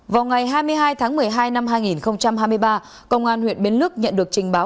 vào ngày hai mươi hai tháng một mươi hai năm hai nghìn hai mươi ba công an huyện bến lức nhận được trình báo